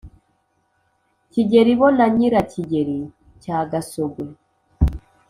kigeli bo na nyirakigeli cya gasogwe.